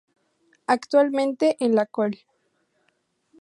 Actualmente en la Col.